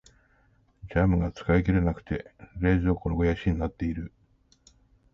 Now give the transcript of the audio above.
ジャムが使い切れなくて冷蔵庫の肥やしになっている。